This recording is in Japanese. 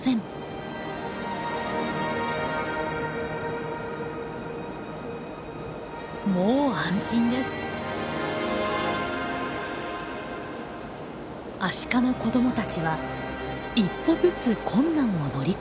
アシカの子どもたちは一歩ずつ困難を乗り越えながら成長していきます。